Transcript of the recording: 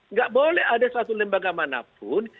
nggak boleh ada satu lembaga manapun